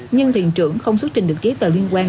nhưng thuyền trưởng không xuất trình được giấy tờ liên quan